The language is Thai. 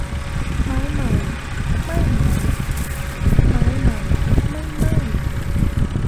ไม้ใหม่ไหม้มั้ย ไม้ใหม่ไม่ไหม้